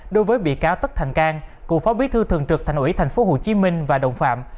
đối với bị cáo tất thành cang cựu phó bí thư thường trực thành ủy tp hcm và đồng phạm